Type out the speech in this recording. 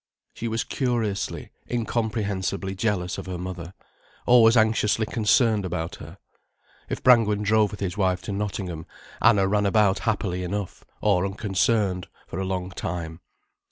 She was curiously, incomprehensibly jealous of her mother, always anxiously concerned about her. If Brangwen drove with his wife to Nottingham, Anna ran about happily enough, or unconcerned, for a long time.